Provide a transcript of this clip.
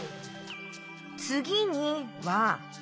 「つぎに」は。